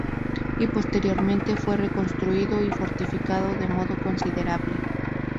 Y posteriormente fue reconstruido y fortificado de modo considerable.